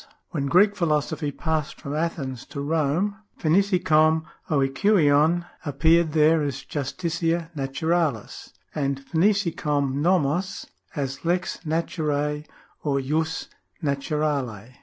When Greek philosophy passed from Athens to Rome, ([iva iKov oiKaiov appeared there as justitia naturalis and (pv(TiK09 uo/uo? as lex naturae or jus 7iaturale.